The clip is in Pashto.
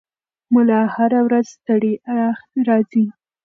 ملا هره ورځ ستړی راځي.